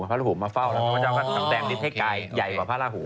พระพุทธเจ้าก็สำแปดลิบให้ไกลใหญ่กว่าพระราหู